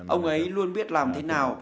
ông ấy luôn biết làm thế nào